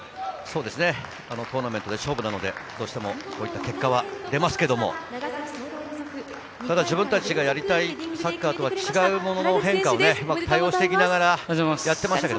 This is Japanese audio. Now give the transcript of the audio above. トーナメントは勝負なので、こういった結果は出ますが、ただ自分たちがやりたいサッカーとは違うものの変化に対応しながらやっていました。